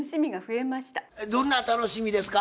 えっどんな楽しみですか？